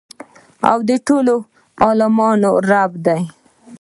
او د ټولو عالميانو رب دى.